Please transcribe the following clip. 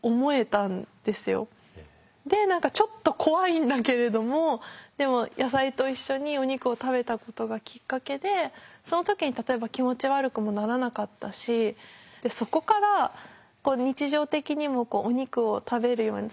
で何かちょっと怖いんだけれどもでも野菜と一緒にお肉を食べたことがきっかけでその時に例えば気持ち悪くもならなかったしでそこから日常的にもお肉を食べるように。